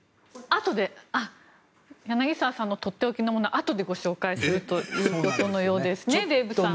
柳澤さんのとっておきのものは後でご紹介するということのようですねデーブさん。